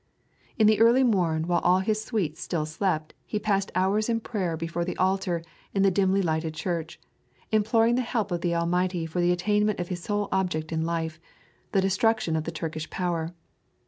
In the early morn while all his suite still slept he passed hours in prayer before the altar in the dimly lighted church, imploring the help of the Almighty for the attainment of his sole object in life the destruction of the Turkish power.